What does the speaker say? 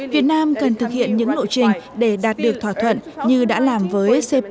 việt nam cần thực hiện những lộ trình để đạt được thỏa thuận như đã làm với cpt